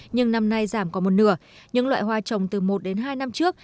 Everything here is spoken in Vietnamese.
nhưng năm nay giảm có một nửa những loại hoa trồng từ một đến hai năm trước